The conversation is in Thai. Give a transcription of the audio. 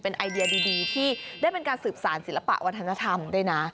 ไอเดียดีที่ได้เป็นการสืบสารศิลปะวัฒนธรรมด้วยนะ